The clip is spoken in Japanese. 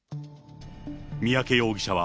三宅容疑者は、